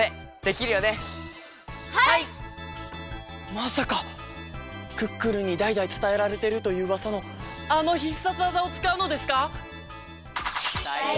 まさかクックルンにだいだいつたえられてるといううわさのあの必殺技をつかうのですか！？